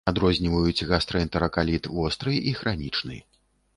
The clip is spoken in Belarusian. Адрозніваюць гастраэнтэракаліт востры і хранічны.